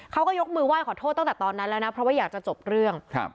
เขาก็ยกมือไห้ขอโทษตั้งแต่ตอนนั้นแล้วนะเพราะว่าอยากจะจบเรื่องครับ